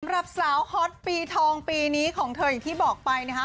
สำหรับสาวฮอตปีทองปีนี้ของเธออย่างที่บอกไปนะคะ